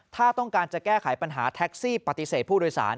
ถ้าต้องการจะแก้ไขปัญหาแท็กซี่ปฏิเสธผู้โดยสาร